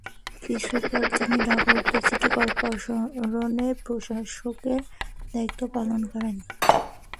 কিছুকাল তিনি ঢাকা উত্তর সিটি করপোরেশনের প্রশাসকের দায়িত্বও পালন করেন।